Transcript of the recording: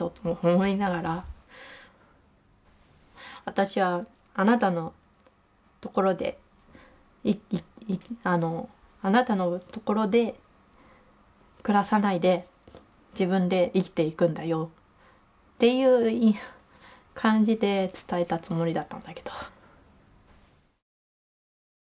私はあなたのところであなたのところで暮らさないで自分で生きていくんだよっていう感じで伝えたつもりだったんだけど。